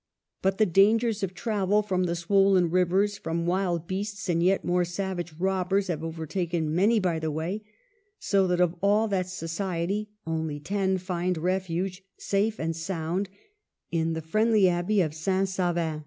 But the dangers of travel from the swollen rivers, from wild beasts and yet more savage robbers, have overtaken many by the way ; so that of all that society only ten find refuge safe and sound in the friendly abbey of St. Savin.